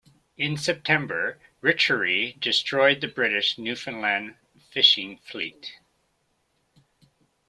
In September, Richery destroyed the British Newfoundland fishing fleet.